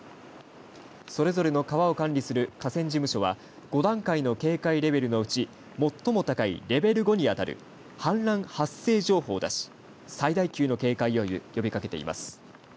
それぞれの川を管理する河川事務所は５段階の警戒レベルのうち最も高いレベル５にあたる氾濫発生情報を出し最大級の警戒を呼びかけています。